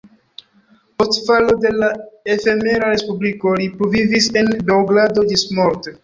Post falo de la efemera respubliko li pluvivis en Beogrado ĝismorte.